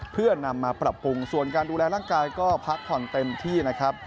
เพื่อนำมาปรับปรุงส่วนการดูแลร่างกายก็พักผ่อนเต็มที่นะครับ